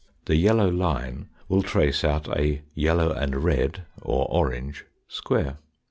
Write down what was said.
The yellow line will trace out a yellow and red, or orange square.